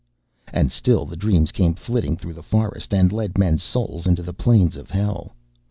And still the dreams came flitting through the forest, and led men's souls into the plains of Hell.